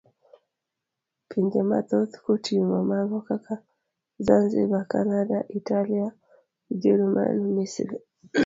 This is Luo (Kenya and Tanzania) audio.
Pinje mathoth koting'o mago kaka Zanzibar, Cananda, Italia, Ujerumani, Misri.